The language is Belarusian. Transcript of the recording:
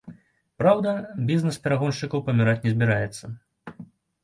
Праўда, бізнэс перагоншчыкаў паміраць не збіраецца.